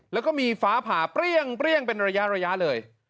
แล้วก็มีฟ้าผ่าเปรี้ยงเป็นระยะเลย